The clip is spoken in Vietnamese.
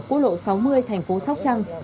khu lộ sáu mươi tp sóc trăng